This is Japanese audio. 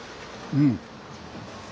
うん。